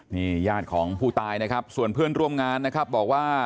นี่ญาติของผู้ตายนะครับส่วนเพื่อนร่วมงานนะครับบอกว่า